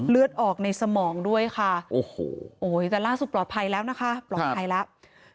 เลือดออกในสมองด้วยค่ะโอ้โหแต่ล่าสุดปลอดภัยแล้วนะคะปลอดภัยแล้ว